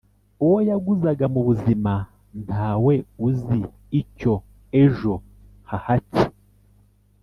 uwo yaguzaga mubuzima ntawe uzi icyo ejo hahatse